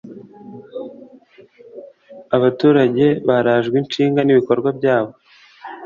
abaturage barajwe ishinga n’ibikorwa byabo